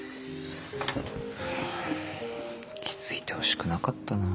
フゥ気付いてほしくなかったなぁ。